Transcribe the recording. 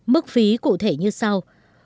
mức phí cụ thể như sau